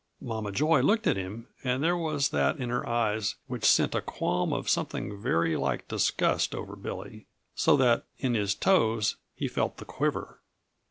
Mama Joy looked at him, and there was that in her eyes which sent a qualm of something very like disgust over Billy, so that in his toes he felt the quiver.